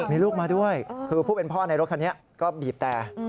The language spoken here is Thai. มีลูกมาด้วยคือผู้เป็นพ่อในรถคันนี้ก็บีบแต่